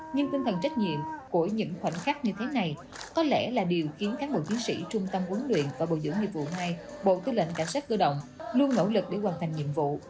nhưng tinh thần trách nhiệm của những khoảnh khắc như thế này có lẽ là điều khiến cán bộ chiến sĩ trung tâm huấn luyện và bồi dưỡng nghiệp vụ hai bộ tư lệnh cảnh sát cơ động luôn nỗ lực để hoàn thành nhiệm vụ